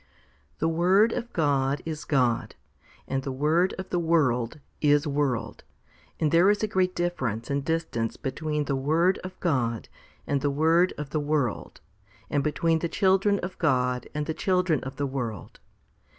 1. THE Word of God is God, and the word of the world is world ; and there is a great difference and distance between the Word of God and the word of the world, and between the children of God and the children of the world.